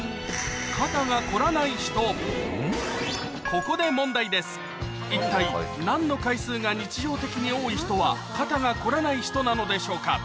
ここで一体何の回数が日常的に多い人は肩がこらない人なのでしょうか？